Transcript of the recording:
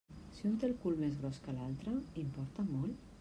Si un té el cul més gros que l'altre, importa molt?